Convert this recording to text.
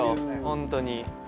ホントに。